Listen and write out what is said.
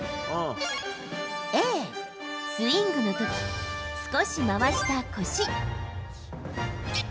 Ａ、スイングのとき少し回した腰。